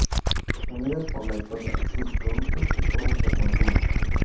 Unidas por la historia, sus productos y formas de consumo.